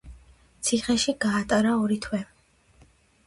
ციხეში გაატარა ორი თვე.